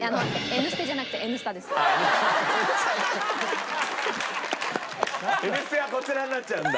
「Ｎステ」はこちらになっちゃうんだ。